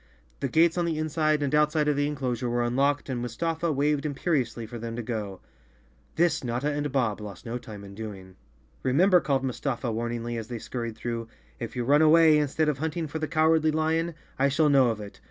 The gates on the inside and outside of the en¬ closure were unlocked and Mustafa waved imperiously for them to go. This Notta and Bob lost no time in doing. "Remember," called Mustafa warningly, as they scurried through, " if you run away instead of hunting for the Cowardly Lion, I shall know of it.